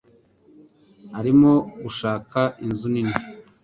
Arimo gushaka inzu nini.